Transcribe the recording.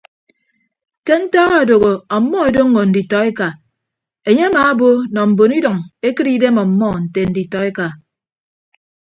Ke ntak adooho ọmmọ edoñño nditọ eka enye amaabo nọ mbon idʌñ ekịt idem ọmmọ nte nditọeka.